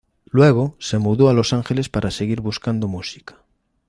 Luego se mudó a Los Ángeles para seguir buscando música.